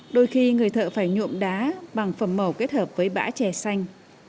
đôi khi người thợ phải nhuộm đá bằng phẩm màu kết hợp với bã chè xanh